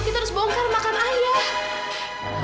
kita harus bongkar makam ayah